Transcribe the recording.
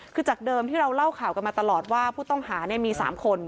คือจากเดิมที่เราเล่าข่าวกันมาตลอดว่าผู้ต้องหามี๓คน